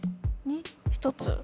１つ。